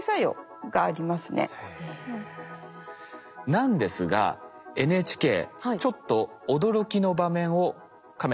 なんですがＮＨＫちょっと驚きの場面をカメラが捉えました。